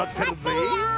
まってるよ！